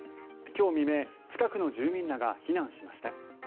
今日未明、近くの住民らが避難しました。